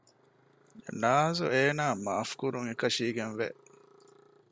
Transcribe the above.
ނާޒު އޭނާއަށް މާފު ކުރުން އެކަށީގެންވެ